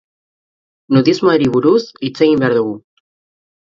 Nudismoari buruz hitz egin behar dugu.